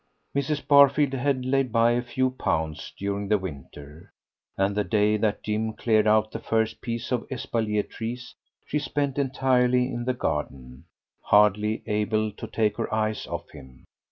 Mrs. Barfield had laid by a few pounds during the winter; and the day that Jim cleared out the first piece of espalier trees she spent entirely in the garden, hardly able to take her eyes off him.